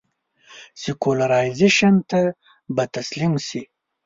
سیکولرایزېشن ته به تسلیم شي.